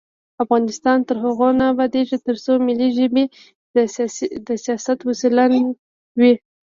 افغانستان تر هغو نه ابادیږي، ترڅو ملي ژبې د سیاست وسیله وي.